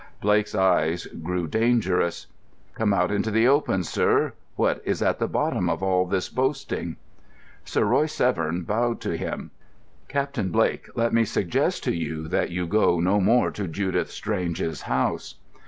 Blake's eyes grew dangerous. "Come out into the open, sir. What is at the bottom of all this boasting?" Sir Royce Severn bowed to him. "Captain Blake, let me suggest to you that you go no more to Judith Strange's house."